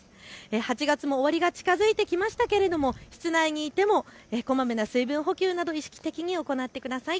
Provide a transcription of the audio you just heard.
８月も終わりが近づいてきましたが室内にいてもこまめな水分補給など意識的に行ってください。